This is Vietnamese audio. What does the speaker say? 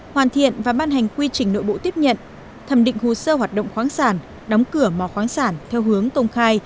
hoàn thiện và ban hành quy trình nội bộ tiếp nhận thẩm định hồ sơ hoạt động quán sản đóng cửa mò quán sản theo hướng công khai